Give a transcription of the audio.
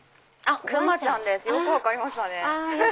クマちゃんですよく分かりましたね。